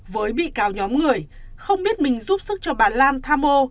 với bị cáo nhóm người không biết mình giúp sức cho bà lan tham ô